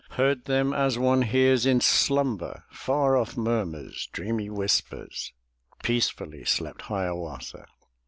Heard them, as one hears in slumber Far ofif murmurs, dreamy whispers; Peacefully slept Hiawatha.